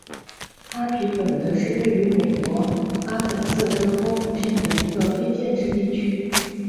哈皮本德是位于美国阿肯色州波普县的一个非建制地区。